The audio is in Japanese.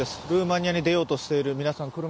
ルーマニアに出ようとしている皆さん